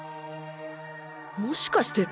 もしかして！？